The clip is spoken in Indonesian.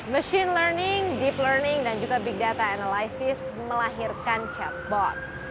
machine learning deep learning dan juga big data analysis melahirkan chatbot